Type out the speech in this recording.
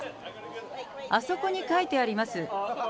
あそこに書いてあります。